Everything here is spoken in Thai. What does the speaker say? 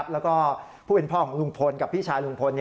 แล้วก็ผู้เป็นพ่อของลุงพลกับพี่ชายลุงพล